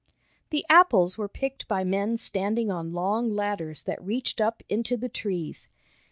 The apples were picked by men standing on long ladders that reached up into the trees.